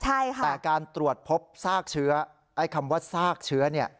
แต่การตรวจพบซากเชื้อคำว่าซากเชื้อเนี่ย